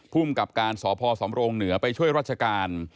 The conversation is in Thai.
ภูมิกับการสพสำโรงเหนือไปช่วยราชการ